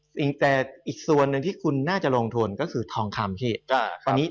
แต่อีกส่วนหนึ่งที่คุณน่าจะลงทุนก็คือทองคำพี่